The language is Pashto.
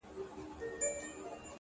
خو ماته دي سي!! خپل ساقي جانان مبارک!!